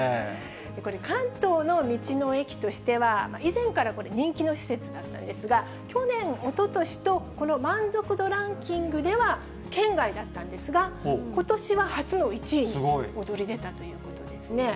これ、関東の道の駅としては、以前からこれ、人気の施設だったんですが、去年、おととしと、この満足度ランキングでは、圏外だったんですが、ことしは初の１位に躍り出たということですね。